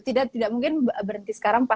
tidak mungkin berhenti sekarang